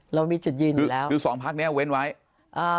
เรามีจุดยืนอยู่แล้วคือสองพักเนี้ยเว้นไว้อ่า